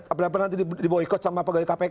apalagi nanti diboykot sama pegawai kpk